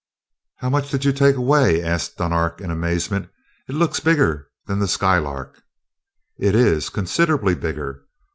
"How much did you take, anyway?" asked Dunark in amazement. "It looks bigger than the Skylark!" "It is; considerably bigger.